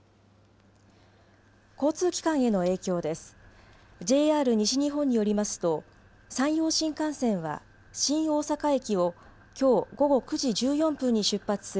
交通機関への影響です。